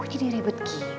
kok jadi rebut gitu